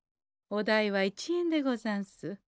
お代は１円でござんす。